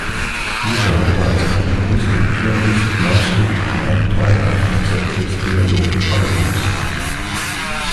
Dieser hatte als Komponist und Pianist maßgeblichen Anteil am Konzept des "Dialogue"-Albums.